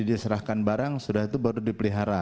jadi diserahkan barang sudah itu baru dipelihara